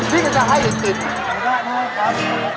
พี่ก็จะให้เองกิน